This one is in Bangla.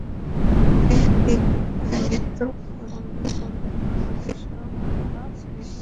এদিকে তার মৃত্যুর খবর ছড়িয়ে পড়লে সহপাঠীসহ অন্যান্য শ্রেণির শিক্ষার্থীরা কান্নায় ভেঙে পড়ে।